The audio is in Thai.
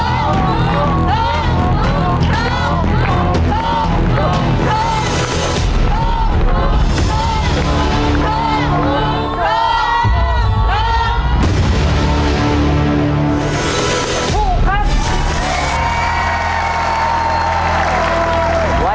เรา